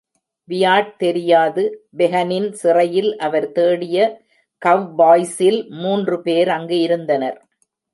Wyatt தெரியாது, பெஹனின் சிறையில் அவர் தேடிய கவ்பாய்ஸில் மூன்று பேர் அங்கு இருந்தனர்.